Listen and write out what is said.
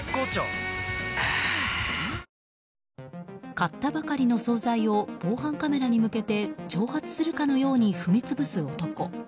買ったばかりの総菜を防犯カメラに向けて挑発するかのように踏み潰す男。